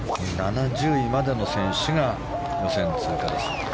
７０位までの選手が予選通過です。